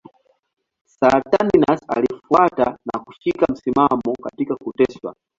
Saturninus alifuata na kushika msimamo katika kuteswa.